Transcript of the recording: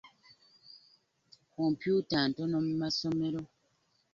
Kompyuta ntono mu masomero.